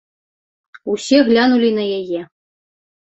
Усе глянулі на яе.